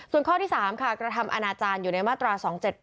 ส่วนข้อที่๓ค่ะกระทำอนาจารย์อยู่ในมาตรา๒๗๘